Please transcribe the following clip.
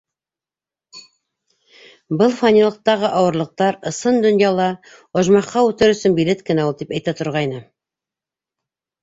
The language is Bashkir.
Был фанилыҡтағы ауырлыҡтар ысын донъяла ожмахҡа үтер өсөн билет кенә ул, тип әйтә торғайны.